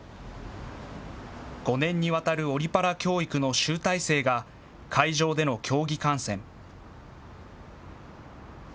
５年にわたるオリパラ教育の集大成が会場での競技観戦。